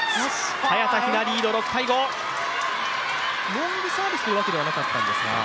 ロングサービスというわけではなかったんですが。